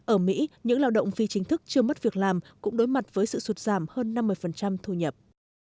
ở mỹ những lao động phi chính thức chưa mất việc làm cũng đối mặt với sự sụt giảm hơn năm mươi thu nhập